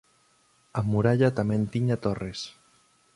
A muralla tamén tiña torres.